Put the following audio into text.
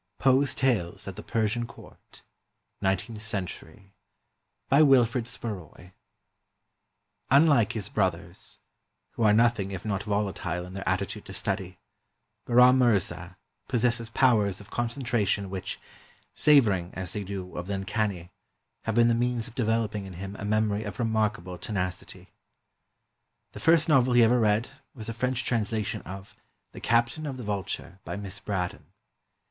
POE'S TALES AT THE PERSIAN COURT [Nineteenth century] BY WILFRID SPARROY Unlike his brothers, who are nothing if not volatile in their attitude to study, Bahram Mirza possesses powers of concentration which, savoring, ' as they do, of the uncanny, have been the means of developing in him a memory of remarkable tenacity. The first novel he ever read was a French translation of "The Captain of the Vulture," by Miss Braddon.